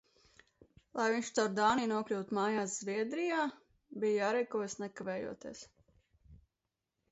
Lai viņš caur Dāniju nokļūtu mājās Zviedrijā, bija jārīkojas nekavējoties.